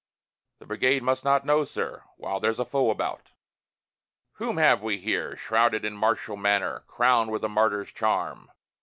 "The brigade must not know, sir, While there's a foe about!" Whom have we here shrouded in martial manner, Crowned with a martyr's charm?